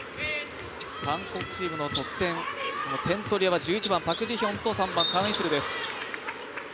韓国チームの得点点取り屋は１１番パク・ジヒョンと３番カン・イスルです。